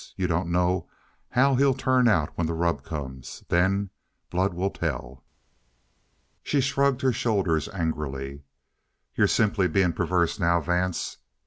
You don't know how he'll turn out when the rub comes. Then blood will tell!" She shrugged her shoulders angrily. "You're simply being perverse now, Vance.